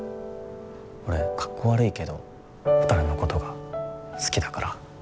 俺かっこ悪いけどほたるのことが好きだから。